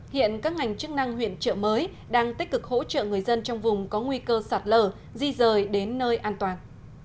hiện các ngành chức năng huyện trợ mới đang tích cực hỗ trợ người dân trong vùng có nguy cơ sạt lở di rời đến nơi an toàn